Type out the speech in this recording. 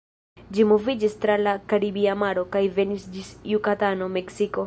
Ĝi moviĝis tra la Karibia Maro, kaj venis ĝis Jukatano, Meksiko.